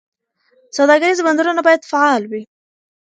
سوداګریز بندرونه باید فعال وي.